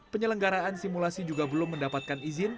penyelenggaraan simulasi juga belum mendapatkan izin